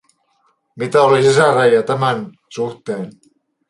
Mitä oli sisaren lahjat tämän suhteen?